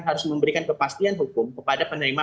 harus memberikan kepastian hukum kepada penerima